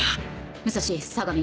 武蔵相模